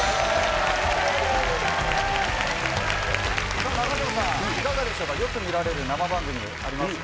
さあ、中条さん、いかがでしょうか、よく見られる生番組、ありますか？